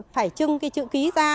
phải trưng cái chữ ký ra